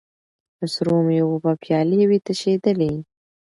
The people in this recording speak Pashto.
د سرو میو به پیالې وې تشېدلې